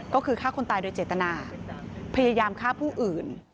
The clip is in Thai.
ก็คือฆ่าคนตายโดยเจตนาพยายามฆ่าผู้อื่น